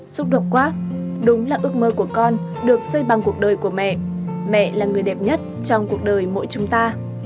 xúc động quá đúng là ước mơ của con được xây bằng cuộc đời của mẹ mẹ là người đẹp nhất trong cuộc đời mỗi chúng ta